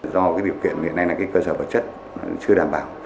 do cái điều kiện hiện nay là cái cơ sở vật chất chưa đảm bảo